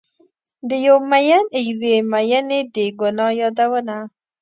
د یو میین یوې میینې د ګناه یادونه